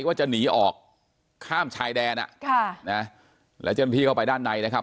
ว่าจะหนีออกข้ามชายแดนอ่ะค่ะนะแล้วเจ้าหน้าที่เข้าไปด้านในนะครับ